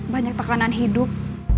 banyak tekanan hidup